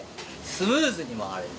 スムーズに回れる。